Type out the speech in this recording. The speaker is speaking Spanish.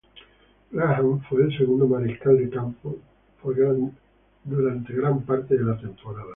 Graham fue el segundo mariscal de campo por gran parte de la temporada.